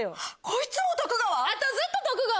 こいつも徳川⁉